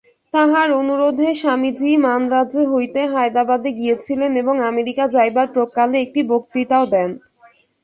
তাঁহার অনুরোধে স্বামীজী মান্দ্রাজ হইতে হায়দরাবাদে গিয়াছিলেন এবং আমেরিকা যাইবার প্রাক্কালে একটি বক্তৃতাও দেন।